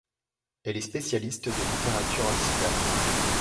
Elle est spécialiste de littérature occitane.